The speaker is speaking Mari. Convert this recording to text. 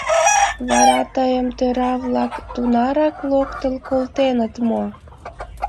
Вара тыйым тӧра-влак тунарак локтыл колтеныт мо?..»